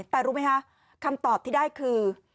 แต่รู้ไหมคะคำตอบที่ได้คือ